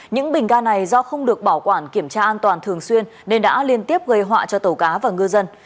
những bình ga này do không được bảo quản kiểm tra an toàn thường xuyên nên đã liên tiếp gây họa cho tàu cá và ngư dân